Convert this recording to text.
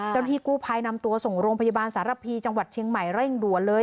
ที่กู้ภัยนำตัวส่งโรงพยาบาลสารพีจังหวัดเชียงใหม่เร่งด่วนเลย